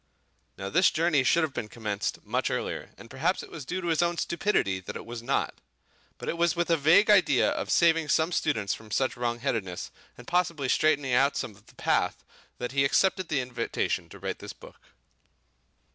Now this journey should have been commenced much earlier, and perhaps it was due to his own stupidity that it was not; but it was with a vague idea of saving some students from such wrong headedness, and possibly straightening out some of the path, that he accepted the invitation to write this book.